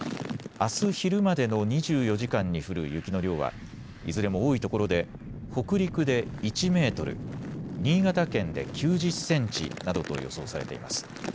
あす昼までの２４時間に降る雪の量はいずれも多いところで北陸で１メートル、新潟県で９０センチなどと予想されています。